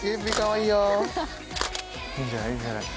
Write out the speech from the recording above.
いいんじゃない？いいんじゃない？